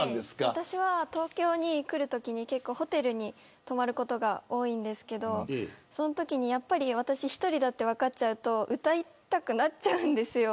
私は東京に来るときに結構ホテルに泊まることが多いんですけどそのときに私１人だって分かっちゃうと歌いたくなっちゃうんですよ。